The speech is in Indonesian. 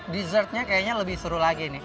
dessertnya kayaknya lebih seru lagi nih